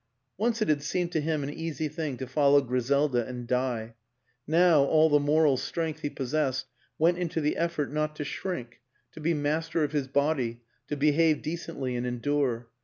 Once it had seemed to him an easy thing to follow Gri selda and die ; now all the moral strength he pos sessed went into the effort not to shrink, to be master of his body, to behave decently and en dure.